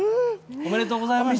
ありがとうございます。